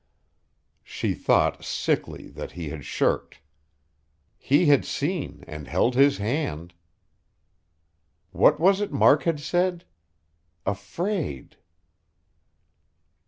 She thought, sickly, that he had shirked; he had seen, and held his hand.... What was it Mark had said? Afraid....